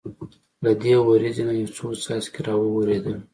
له دې وریځې نه یو څو څاڅکي را وورېدل.